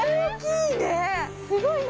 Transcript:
すごい何？